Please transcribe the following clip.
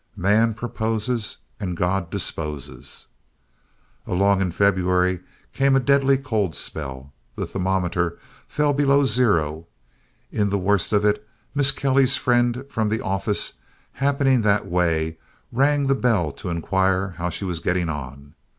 Man proposes and God disposes. Along in February came a deadly cold spell. The thermometer fell below zero. In the worst of it Miss Kelly's friend from the "office," happening that way, rang the bell to inquire how she was getting on.